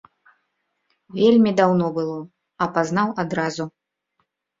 Вельмі даўно было, а пазнаў адразу.